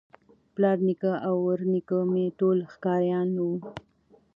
پلار نیکه او ورنیکه مي ټول ښکاریان وه